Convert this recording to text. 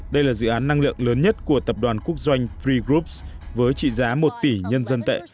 đây là dự án năng lượng lớn nhất của tập đoàn quốc doanh pre groups với trị giá một tỷ nhân dân tệ